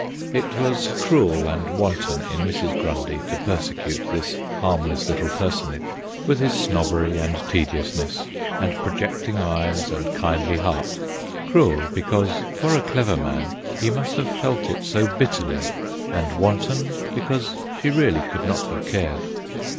GRUNDY 81 It was cruel and wanton in Mrs. Grundy to persecute this harmless little personage, with his snobbery and tediousness, and pro jecting eyes and kindly heart cruel because, for a clever man, he must have ft It it so bitterly, and wanton because she really could not have cared.